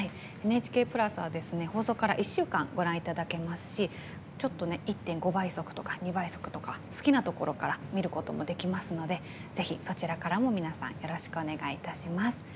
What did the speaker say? ＮＨＫプラスは、放送から１週間ご覧いただけますし１．５倍速とか２倍速とか好きなところから見ることができますのでぜひ、そちらからも皆さんよろしくお願いいたします。